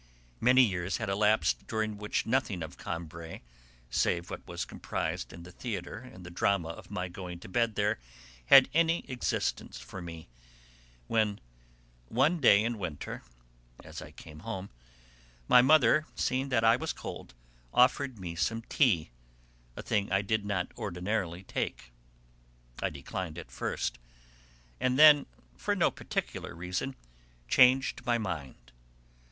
Many years had elapsed during which nothing of Combray, save what was comprised in the theatre and the drama of my going to bed there, had any existence for me, when one day in winter, as I came home, my mother, seeing that I was cold, offered me some tea, a thing I did not ordinarily take. I declined at first, and then, for no particular reason, changed my mind.